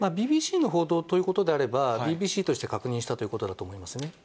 ＢＢＣの報道ということであれば、ＢＢＣとして確認したということだと思いますね。